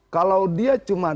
kalau dia cuma